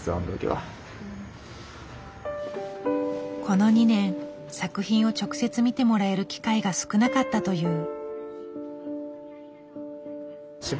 この２年作品を直接見てもらえる機会が少なかったという。